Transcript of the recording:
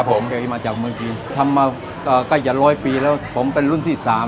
ผมเคยมาจากเมืองจีนทำมาใกล้จะร้อยปีแล้วผมเป็นรุ่นที่๓